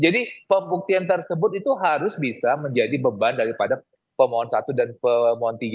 jadi pembuktian tersebut itu harus bisa menjadi beban daripada pemohon satu dan pemohon tiga